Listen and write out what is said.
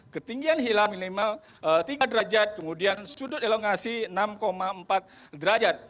ketinggian hilang minimal tiga derajat kemudian sudut elongasi enam empat derajat